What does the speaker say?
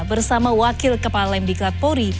bersama wakil kepala lemdiklat polri